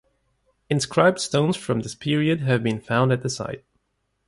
Inscribed stones from this period have been found at the site.